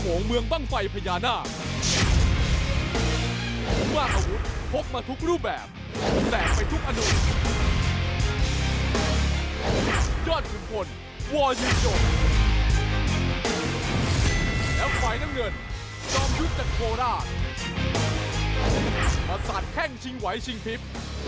เพชรเมืองย่าสุศาควรมวยไทยยิ่ม